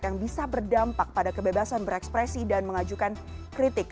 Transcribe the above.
yang bisa berdampak pada kebebasan berekspresi dan mengajukan kritik